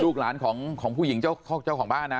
ลูกหลานของผู้หญิงเจ้าของบ้านนะ